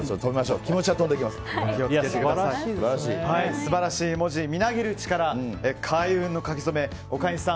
素晴らしい文字みなぎる力、開運の書き初め岡西さん